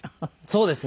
そうですね。